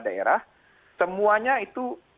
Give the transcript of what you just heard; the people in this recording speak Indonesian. daerah semuanya itu